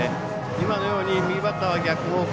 今のように右バッターは逆方向